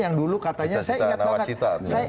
yang dulu katanya saya ingat banget